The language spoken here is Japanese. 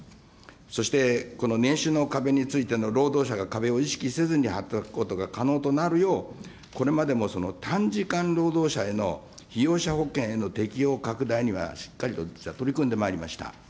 そして、この年収の壁についての、労働者が壁を意識せずに働くことが可能となるよう、これまでも短時間労働者への被用者保険への適用拡大にはしっかりと取り組んでまいりました。